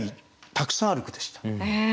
たくさんある句でした。